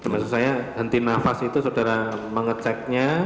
maksud saya henti nafas itu saudara mengeceknya